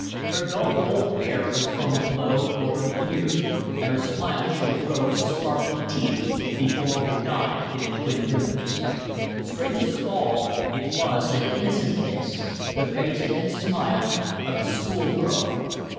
Her dull gold hair was combed low over the ears, and her smile showed rows of sparkling teeth before it dived into twin dimples. Strangest of all, it was an innocent face, the face and smile of a school girl.